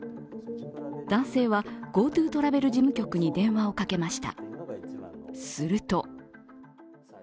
男性はＧｏＴｏトラベル事務局に電話をかけました。